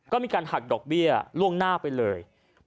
ก็มีการหักดอกเบี้ยล่วงหน้าไปเลย